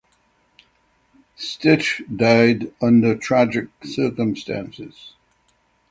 Stich died under tragic circumstances.